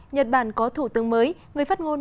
nhật bản có thủ tướng mới người phát ngôn